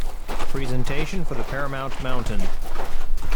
Presentation for the Paramount mountain.